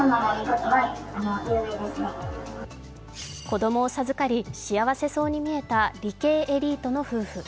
子供を授かり、幸せそうに見えた理系エリートの夫婦。